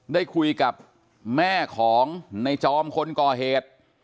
ได้คุยกับแม่ของในจอมคนก่อเหตุ